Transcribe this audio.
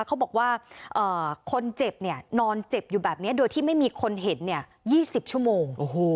เขาบอกว่าคนเจ็บนอนเจ็บอยู่แบบนี้โดยที่ไม่มีคนเห็น๒๐ชั่วโมง